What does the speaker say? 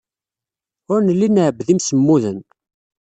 Ur nelli nɛebbed imsemmuden.